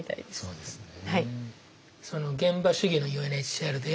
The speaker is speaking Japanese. そうですね。